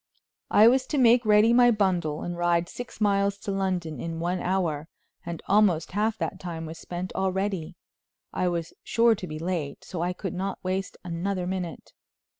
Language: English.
I was to make ready my bundle and ride six miles to London in one hour; and almost half that time was spent already. I was sure to be late, so I could not waste another minute.